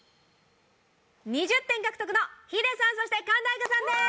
２０点獲得のヒデさんそして神田愛花さんです！